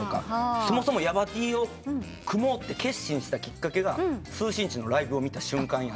そもそもヤバＴを組もうと決心したきっかけが四星球のライブを見た瞬間やって。